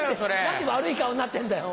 何で悪い顔になってんだよ。